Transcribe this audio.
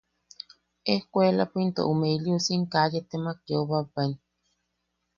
Ejkuelapo into ume iliusim kaa yee temak yeobaebaen.